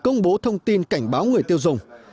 công bố thông tin cảnh báo người tiêu dùng